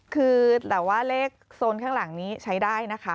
คือแต่ว่าเลขโซนข้างหลังนี้ใช้ได้นะคะ